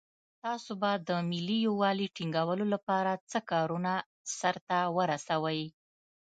تاسو به د ملي یووالي ټینګولو لپاره څه کارونه سرته ورسوئ.